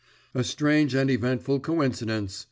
"A strange and eventful coincidence!"